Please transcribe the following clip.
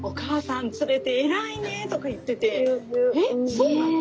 そうなの？」